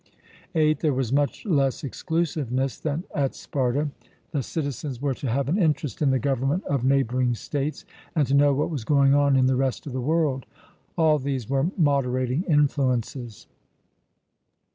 (8) There was much less exclusiveness than at Sparta; the citizens were to have an interest in the government of neighbouring states, and to know what was going on in the rest of the world. All these were moderating influences.